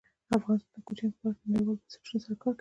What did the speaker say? افغانستان د کوچیان په برخه کې نړیوالو بنسټونو سره کار کوي.